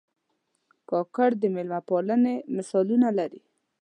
کاکړ د مېلمه پالنې مثالونه لري.